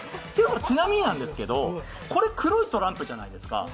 ちなみになんですけど、これは黒いトランプじゃないですか。